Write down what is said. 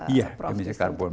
iya emisi karbon